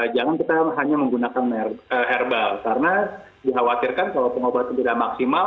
jangan kita hanya menggunakan herbal karena dikhawatirkan kalau pengobatan tidak maksimal